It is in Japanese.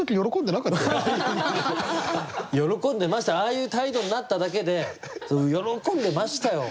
ああいう態度になっただけで喜んでましたよ。